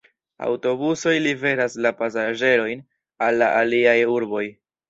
Aŭtobusoj liveras la pasaĝerojn al la aliaj urboj.